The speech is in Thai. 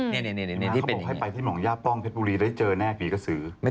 เล่าไปแหละ